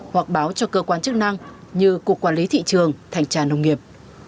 hoặc báo cho cơ quan chức năng như cục quản lý thị trường thành trà nông nghiệp